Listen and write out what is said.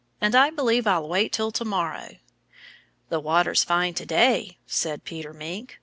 "And I believe I'll wait till to morrow." "The water's fine to day," said Peter Mink.